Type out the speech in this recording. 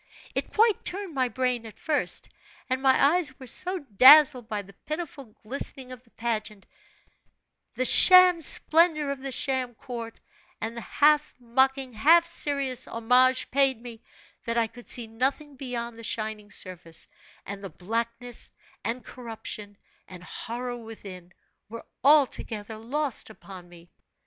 "It quite turned my brain at first; and my eyes were so dazzled by the pitiful glistening of the pageant, the sham splendor of the sham court, and the half mocking, half serious homage paid me, that I could see nothing beyond the shining surface, and the blackness, and corruption, and horror within, were altogether lost upon me.